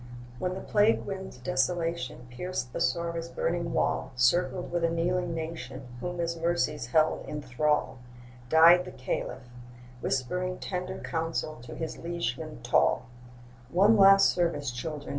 When the plague wind's desolation Pierced Bassora's burning wall, Circled with a kneeling nation Whom his mercies held in thrall, Died the Caliph, whispering tender Counsel to his liegemen tall: 'One last service, children!